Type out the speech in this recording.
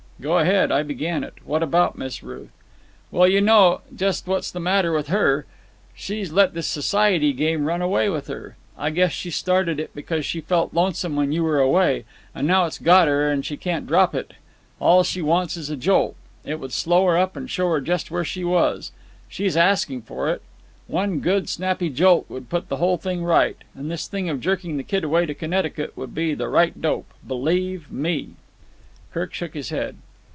"Go ahead. I began it. What about Miss Ruth?" "Well, you know just what's the matter with her. She's let this society game run away with her. I guess she started it because she felt lonesome when you were away; and now it's got her and she can't drop it. All she wants is a jolt. It would slow her up and show her just where she was. She's asking for it. One good, snappy jolt would put the whole thing right. And this thing of jerking the kid away to Connecticut would be the right dope, believe me." Kirk shook his head.